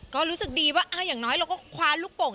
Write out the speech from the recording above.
ก็รู้สึกดีว่าอย่างน้อยเราก็คว้าลูกโป่ง